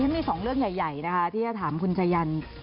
มี๒เรื่องใหญ่ที่จะถามคุณจัยันทร์